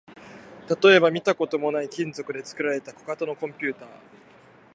例えば、見たこともない金属で作られた小型のコンピュータ